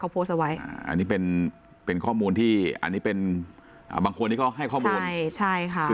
อันนี้เป็นข้อมูลบางคนที่ก็ให้ข้อมูล